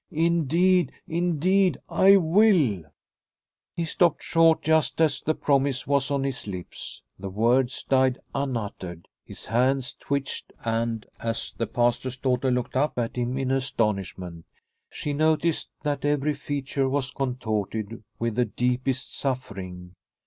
Indeed, indeed, I will " He stopped short just as the promise was on his lips. The words died unuttered, his hands twitched, and as the Pastor's daughter looked up at him in astonishment she noticed that every feature was contorted with the deepest suffering.